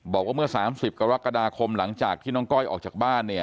บอกว่าเมื่อ๓๐กรกฎาคมหลังจากที่น้องก้อยออกจากบ้านเนี่ย